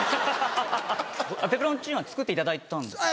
ペペロンチーノ作っていただいたんですか？